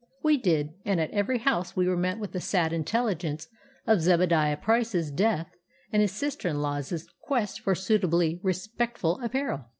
We did, and at every house we were met with the sad intelligence of Zebadiah Price's death and his sister in law's quest for suitably respectful apparel.